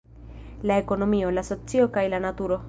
la ekonomio, la socio, kaj la naturo.